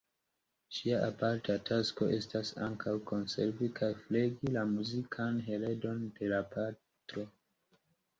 Ŝia aparta tasko estas ankaŭ konservi kaj flegi la muzikan heredon de la patro.